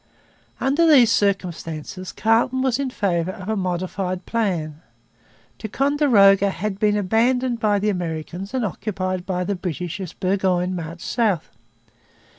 Under these circumstances Carleton was in favour of a modified plan. Ticonderoga had been abandoned by the Americans and occupied by the British as Burgoyne marched south.